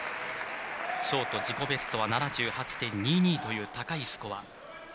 ショート、自己ベストは７８．２２という高いスコア。